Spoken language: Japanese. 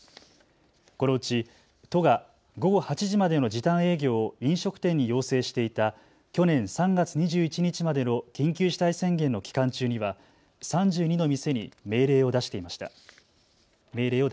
このうち都が午後８時までの時短営業を飲食店に要請していた去年３月２１日までの緊急事態宣言の期間中には３２の店に命令を出しました。